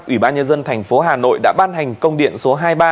ủy ban nhân dân thành phố hà nội đã ban hành công điện số hai mươi ba